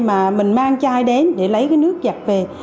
mà mình mang chai đến để lấy cái nước giặt về